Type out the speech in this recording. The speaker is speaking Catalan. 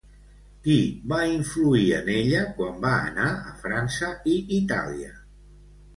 Qui va influir en ella quan va anar a França i Itàlia?